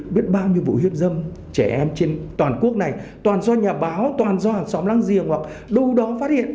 biết bao nhiêu vụ hiếp dâm trẻ em trên toàn quốc này toàn do nhà báo toàn do hàng xóm lang giềng hoặc đâu đó phát hiện